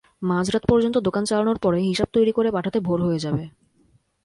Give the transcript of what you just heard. মাঝরাত পর্যন্ত দোকান চালানোর পরে হিসাব তৈরি করে পাঠাতে ভোর হয়ে যাবে।